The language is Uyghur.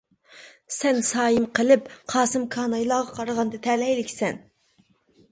-سەن سايىم قېلىپ، قاسىم كانايلارغا قارىغاندا تەلەيلىككەنسەن.